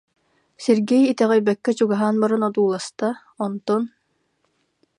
Сергей итэҕэйбэккэ чугаһаан баран одууласта, онтон: